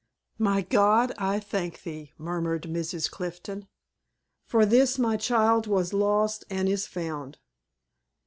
"My God, I thank thee!" murmured Mrs. Clifton; "for this, my child, was lost and is found."